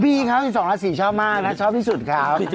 อ๋อพี่เขา๒ล่า๔๐ชอบมากนะคะชอบที่สุดครับว่า